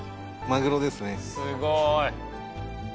すごーい！